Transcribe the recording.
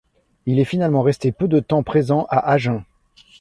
Il est finalement resté peu de temps présent à Agen.